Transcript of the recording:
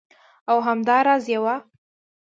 او همدا راز یوه